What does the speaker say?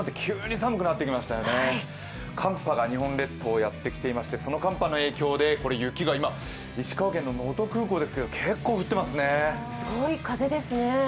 寒波が日本列島、やってきていまして、その寒波の影響で雪が石川県の能登空港ですけど、結構降ってますね。